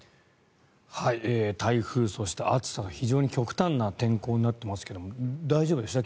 台風そして暑さ非常に極端な天候になってますが大丈夫でした？